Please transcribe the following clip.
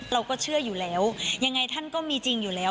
เราก็เชื่ออยู่แล้วยังไงท่านก็มีจริงอยู่แล้ว